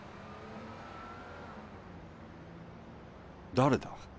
誰だ？